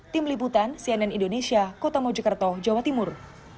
tim liputan cnn indonesia kota mojokerto jawa timur